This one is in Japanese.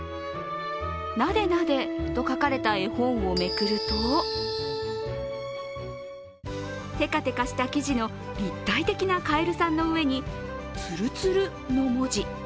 「なでなで」と書かれた絵本をめくると、テカテカした生地の立体的なかえるさんの上につるつるの文字。